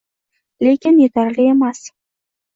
Lekin etarli emas